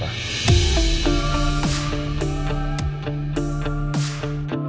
dalam hidup itu